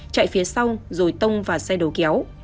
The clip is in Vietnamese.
chạy phía sau rồi tông và xe đầu kéo